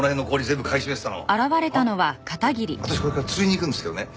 私これから釣りに行くんですけどね